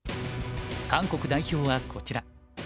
韓国代表はこちら。